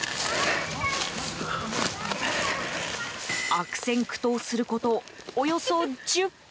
悪戦苦闘することおよそ１０分。